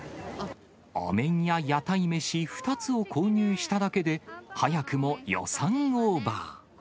お面や屋台飯２つを購入しただけで、早くも予算オーバー。